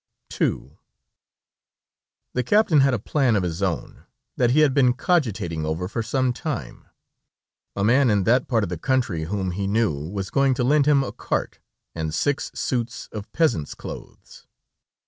II The Captain had a plan of his own, that he had been cogitating over for some time. A man in that part of the country, whom he knew, was going to lend him a cart, and six suits of peasants' clothes.